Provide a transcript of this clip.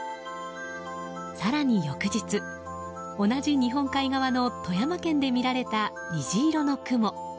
更に翌日、同じ日本海側の富山県で見られた虹色の雲。